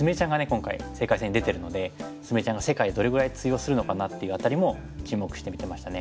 今回世界戦に出てるので菫ちゃんが世界でどれぐらい通用するのかなっていう辺りも注目して見てましたね。